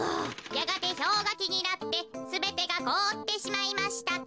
やがてひょうがきになってすべてがこおってしまいました。